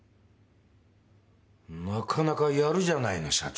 なかなかやるじゃないの社長